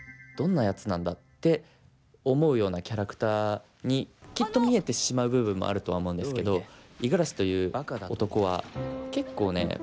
どんなやつなんだ」って思うようなキャラクターにきっと見えてしまう部分もあるとは思うんですけど五十嵐という男は結構ね